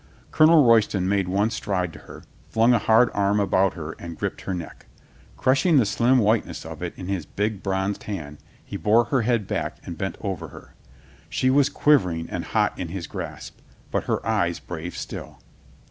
Colonel Royston made one stride to her, flung a hard arm about her and gripped her neck. Crush ing the slim whiteness of it in his big bronzed hand, he bore her head back and bent over her. She was quivering and hot in his grasp, but her eyes brave still.